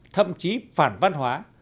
thậm chí phản văn hóa